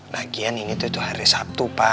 lagian ini tuh hari sabtu pak